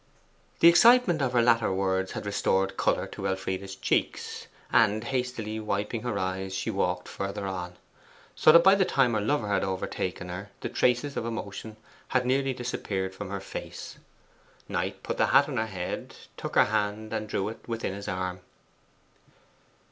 The excitement of her latter words had restored colour to Elfride's cheeks; and hastily wiping her eyes, she walked farther on, so that by the time her lover had overtaken her the traces of emotion had nearly disappeared from her face. Knight put the hat upon her head, took her hand, and drew it within his arm.